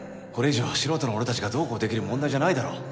これ以上素人の俺たちがどうこうできる問題じゃないだろ。